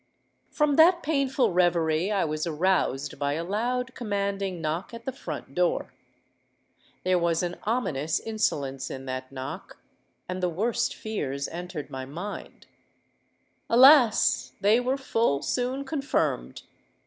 "From that painful reverie I was aroused by a loud commanding knock at the front door. There was an ominous insolence in that knock; and the worst fears entered my mind. Alas! they were full soon confirmed.